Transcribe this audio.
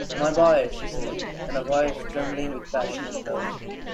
“My boy!” she said, in a voice trembling with passionate love.